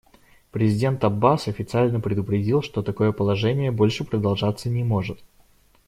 Президент Аббас официально предупредил, что такое положение больше продолжаться не может.